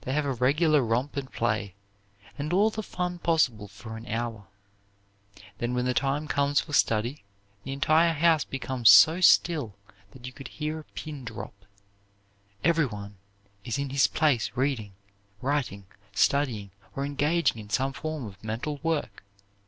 They have a regular romp and play, and all the fun possible for an hour. Then when the time comes for study, the entire house becomes so still that you could hear a pin drop. Everyone is in his place reading, writing, studying, or engaged in some form of mental work.